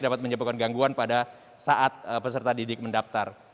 dapat menyebabkan gangguan pada saat peserta didik mendaftar